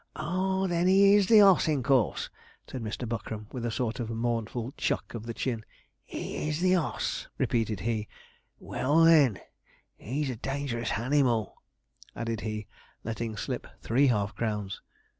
'Ah! then he is the oss, in course,' said Mr. Buckram, with a sort of mournful chuck of the chin; 'he is the oss,' repeated he; 'well, then, he's a dangerous hanimal,' added he, letting slip three half crowns.